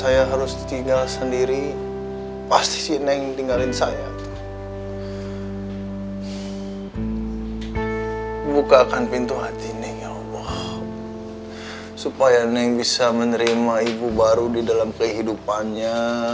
ya allah supaya aku bisa menerima ibu baru di dalam kehidupannya